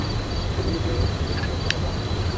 তুমি তো নিজেকে নিজে সামলে নিবে তবে আঞ্জলীর কি হবে?